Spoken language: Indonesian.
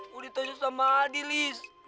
kuritannya sama adi lis